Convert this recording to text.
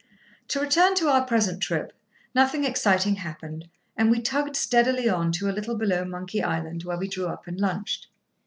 To return to our present trip: nothing exciting happened, and we tugged steadily on to a little below Monkey Island, where we drew up and lunched.